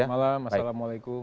selamat malam assalamualaikum